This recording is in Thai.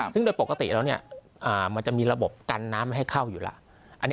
ซึ่งโดยปกติแล้วมันจะมีระบบกันน้ำให้เข้าอยู่แล้ว